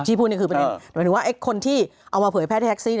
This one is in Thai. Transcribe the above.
พูดนี่คือประเด็นหมายถึงว่าคนที่เอามาเผยแพร่ที่แท็กซี่